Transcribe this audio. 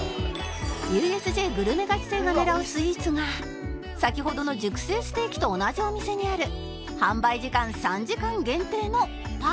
ＵＳＪ グルメガチ勢が狙うスイーツが先ほどの熟成ステーキと同じお店にある販売時間３時間限定のパフェ